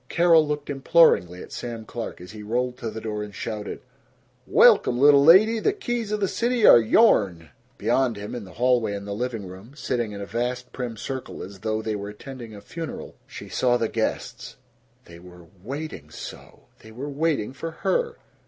Carol looked imploringly at Sam Clark as he rolled to the door and shouted, "Welcome, little lady! The keys of the city are yourn!" Beyond him, in the hallway and the living room, sitting in a vast prim circle as though they were attending a funeral, she saw the guests. They were WAITING so! They were waiting for her!